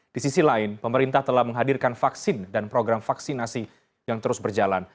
di sisi lain pemerintah telah menghadirkan vaksin dan program vaksinasi yang terus berjalan